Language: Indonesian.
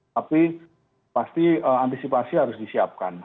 tapi pasti antisipasi harus disiapkan